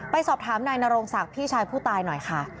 ไปสอบถามนายนโรงศักดิ์พี่ชายผู้ตายหน่อยค่ะ